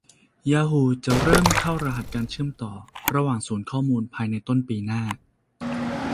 ยาฮูจะเริ่มเข้ารหัสการเชื่อมต่อระหว่างศูนย์ข้อมูลภายในต้นปีหน้า